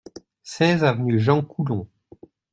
seize avenue Jean Coulon